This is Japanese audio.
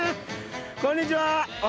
こんにちは。